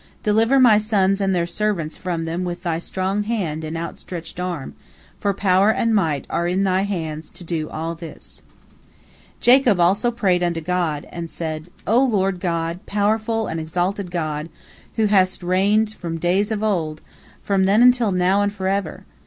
Deliver my sons and their servants from them with Thy strong hand and outstretched arm, for power and might are in Thy hands to do all this." Jacob also prayed unto God, and said: "O Lord God, powerful and exalted God, who hast reigned from days of old, from then until now and forever!